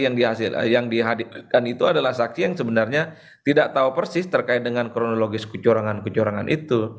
jangan sampai saksi yang dihadirkan itu adalah saksi yang sebenarnya tidak tahu persis terkait dengan kronologis kecorangan kecorangan itu